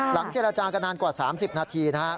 หลังเจรจากันนานกว่า๓๐นาที